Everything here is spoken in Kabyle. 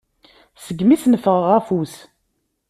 Segmi asen-ffɣeɣ afus.